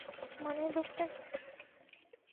মানে, লোকটাকে।